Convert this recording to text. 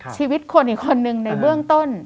ชีวิตคนอีกคนนึงในเบื้องต้น